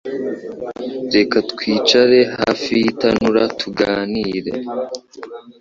Reka twicare hafi y'itanura tuganire.